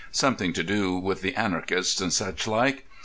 Something to do with they anarchists and such like.